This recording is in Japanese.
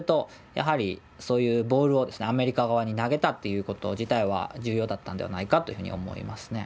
やはりそういうボールをアメリカ側に投げたということ自体は重要だったんではないかというふうに思いますね。